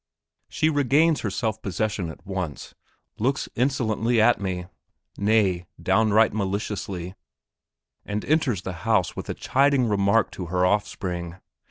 She regains her self possession at once, looks insolently at me, nay, downright maliciously, and enters the house with a chiding remark to her offspring.